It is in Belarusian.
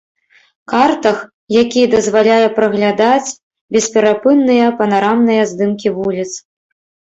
Картах, які дазваляе праглядаць бесперапынныя панарамныя здымкі вуліц.